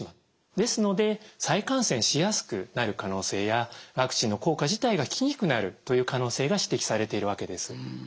ですので再感染しやすくなる可能性やワクチンの効果自体が効きにくくなるという可能性が指摘されているわけです。